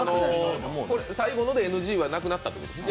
最後のでＮＧはなくなったということですね？